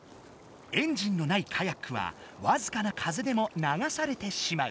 エンジンのないカヤックはわずかな風でもながされてしまう。